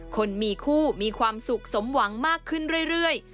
คนมีคู่มีความสุขสมหวังมากขึ้นเรื่อย